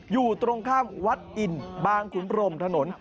อยู่ตรงข้ามวัดอินบางขุนพรมถนน